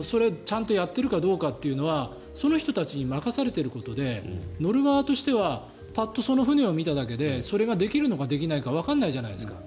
ちゃんとやっているかどうかはその人たちに任されていることで乗る側としてはパッとその船を見ただけでその船ができるのかどうかわからないですよね。